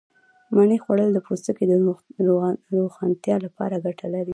مڼې خوړل د پوستکي د روښانتیا لپاره گټه لري.